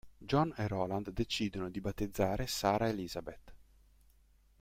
Joan e Roland decidono di battezzare Sara Elisabeth.